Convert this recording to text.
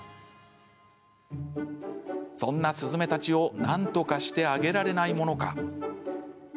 そんなスズメたちをなんとかしてあげられないものか。